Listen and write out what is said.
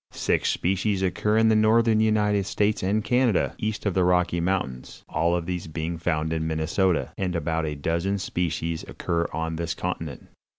Six species occur in the northern United States and Canada, east of the Rocky Mountains, all of these being found in Minnesota, and about a dozen species occur on this continent.